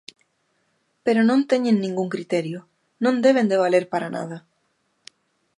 Pero non teñen ningún criterio, non deben de valer para nada.